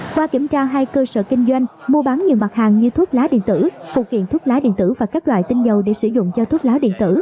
qua kiểm tra hai cơ sở kinh doanh mua bán nhiều mặt hàng như thuốc lá điện tử phụ kiện thuốc lá điện tử và các loại tinh dầu để sử dụng cho thuốc lá điện tử